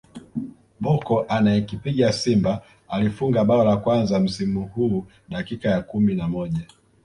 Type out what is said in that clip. Bocco anayekipiga Simba alifunga bao la kwanza msimu huu dakika ya kumi na moja